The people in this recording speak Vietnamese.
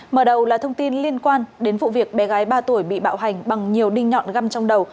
mở đầu là thông tin liên quan đến vụ việc bé gái ba tuổi bị bạo hành bằng nhiều đinh nhọn găm trong đầu